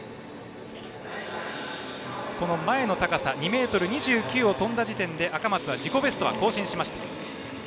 この前の高さ２ｍ２９を跳んだ時点で赤松は自己ベストを更新しました。